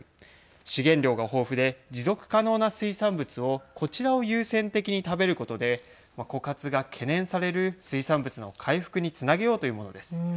資源量が豊富で持続可能な水産物をこちらを優先的に食べることで枯渇が懸念される水産物の回復につなげようというものです。